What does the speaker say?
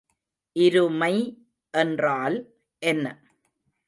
இருமை என்றால் என்ன?